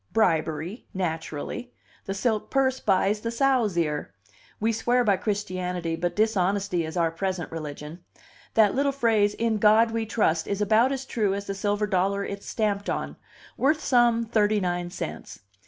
Bribery, naturally. The silk purse buys the sow's ear. We swear by Christianity, but dishonesty is our present religion. That little phrase 'In God We Trust' is about as true as the silver dollar it's stamped on worth some thirty nine cents.